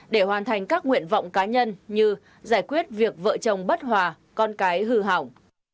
để hoàn thành các nguyện vọng cá nhân như giải quyết việc vợ chồng bất hòa con cái hư hỏng